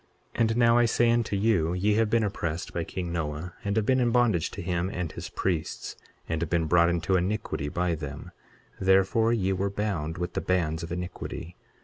23:12 And now I say unto you, ye have been oppressed by king Noah, and have been in bondage to him and his priests, and have been brought into iniquity by them; therefore ye were bound with the bands of iniquity.